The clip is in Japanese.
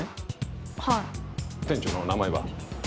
はい店長の名前は？